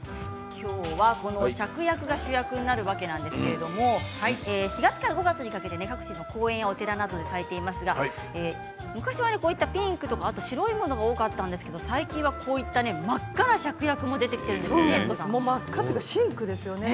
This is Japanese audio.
きょうはシャクヤクが主役になるわけなんですけれども４月から５月にかけて各地の公園やお寺などで咲いていますが昔はピンクとか白いものが多かったんですけども最近は真っ赤なシャクヤクも出てきて真っ赤というか真紅ですよね。